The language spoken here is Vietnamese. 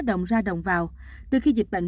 đồng ra đồng vào từ khi dịch bệnh